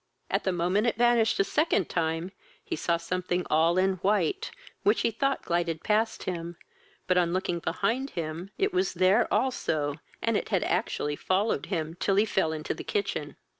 At the moment it vanished the second time, he saw something all in white, which he thought glided past him, but, on looking behind him, it was there also, and it had actually followed him till he fell into the kitchen.